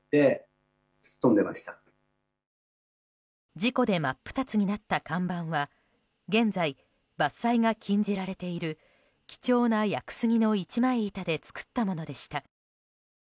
事故で真っ二つになった看板は現在、伐採が禁じられている貴重な屋久杉の一枚板で作ったものでした。